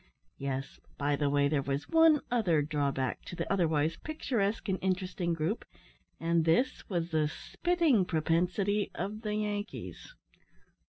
Yes, by the way, there was one other drawback to the otherwise picturesque and interesting group, and this was the spitting propensity of the Yankees.